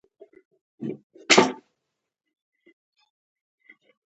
پر زبېښونکو اقتصادي بنسټونو سیوری غوړولی و.